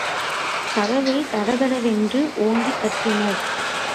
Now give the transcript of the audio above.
கதவைத் தடதடவென்று ஓங்கித் தட்டினர்.